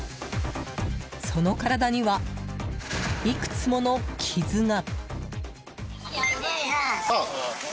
その体には、いくつもの傷が。